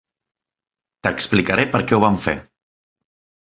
T'explicaré per què ho van fer.